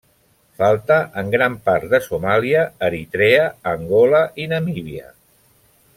Falta en gran part de Somàlia, Eritrea, Angola i Namíbia.